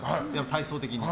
体操的に。